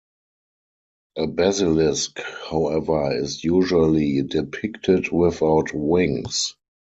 A basilisk, however, is usually depicted without wings.